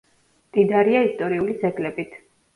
მდიდარია ისტორიული ძეგლებით.